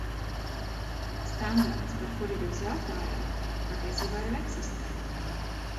Standarts, par kuru jūs jautājāt, patiesībā jau eksistē.